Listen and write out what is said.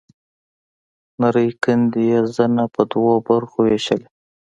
نرۍ کندې يې زنه په دوو برخو وېشلې.